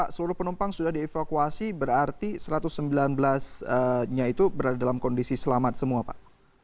seluruh penumpang sudah dievakuasi berarti satu ratus sembilan belas nya itu berada dalam kondisi selamat semua pak